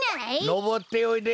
のぼっておいで。